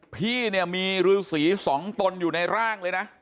พี่เนี่ยมีรือสีสองตนอยู่ในร่างเลยนะ